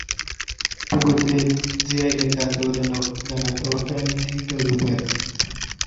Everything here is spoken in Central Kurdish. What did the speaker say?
بگوترێت جیای دەکاتەوە لە نەتەوەکانی تری دەوروبەر